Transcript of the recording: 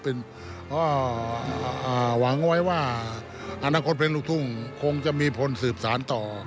เพราะหวังไว้ว่าอนาคตเพลงลูกทุ่งคงจะมีพลสืบสารต่อ